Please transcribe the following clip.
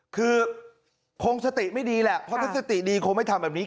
คือคงสติไม่ดีแหละเพราะถ้าสติดีคงไม่ทำแบบนี้